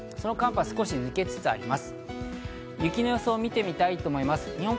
その寒波、少し抜けつつあります。